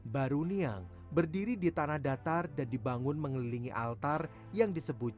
baru niang berdiri di tanah datar dan dibangun mengelilingi altar yang disebut